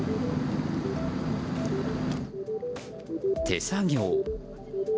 手作業。